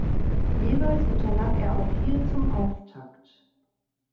Jeweils unterlag er auch hier zum Auftakt.